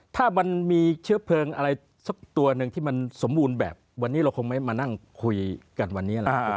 ถ้ามันมีเชื้อเพลิงอะไรสักตัวหนึ่งที่มันสมบูรณ์แบบวันนี้เราคงไม่มานั่งคุยกันวันนี้แหละ